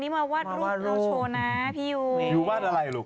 มีใครคะ